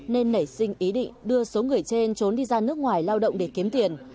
nên nảy sinh ý định đưa số người trên trốn đi ra nước ngoài lao động để kiếm tiền